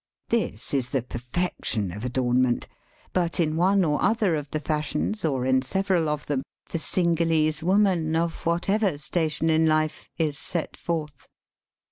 This is the perfection of adornment ; but in one or other of the fashions, or in several of them, the Cingalese woman, of whatever station in life, is set forth.